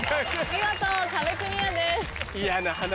見事壁クリアです。